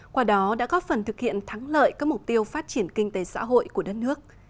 qua đó đã góp phần thực hiện thắng lợi các mục tiêu phát triển kinh tế xã hội của đất nước